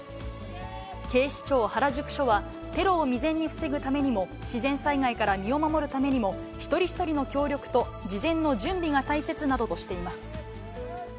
警視庁原宿署は、テロを未然に防ぐためにも、自然災害から身を守るためにも、一人一人の協力と事前の準備が大切などとしています。